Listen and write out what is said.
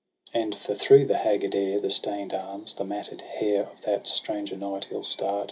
And — for through the haggard air. The stain'd arms, the matted hair Of that stranger knight ill starr'd.